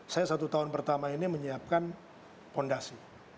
saya satu tahun pertama ini menyiapkan fondasi